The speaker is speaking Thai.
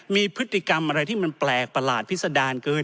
มีพฤติกรรมอะไรที่มันแปลกประหลาดพิษดารเกิน